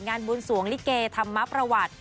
งานบุญสวงลิเกธรรมประวัติ